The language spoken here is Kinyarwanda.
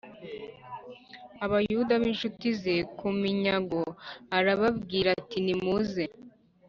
Abayuda b incuti ze ku minyago arababwira ati nimuze